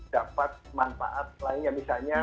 dapat manfaat lainnya misalnya